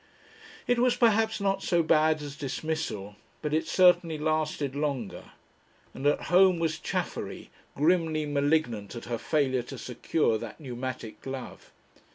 It was perhaps not so bad as dismissal, but it certainly lasted longer. And at home was Chaffery, grimly malignant at her failure to secure that pneumatic glove.